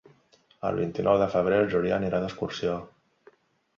El vint-i-nou de febrer en Julià anirà d'excursió.